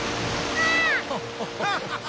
ああ！